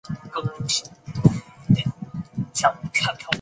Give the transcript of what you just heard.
小枝具星状短柔毛。